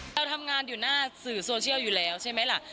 เราทำงานอยู่หน้าสื่อโซเชียลอยู่แล้วใช่ไหมล่ะ